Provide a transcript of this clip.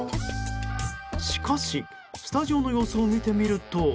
しかし、スタジオの様子を見てみると。